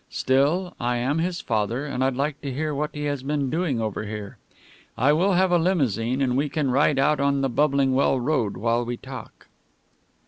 Still, I am his father, and I'd like to hear what he has been doing over here. I will have a limousine, and we can ride out on the Bubbling Well Road while we talk.